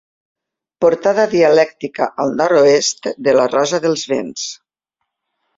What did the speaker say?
Portada dialèctica al nord-oest de la rosa dels vents.